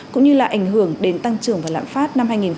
cũng như là ảnh hưởng đến tăng trưởng và lạm phát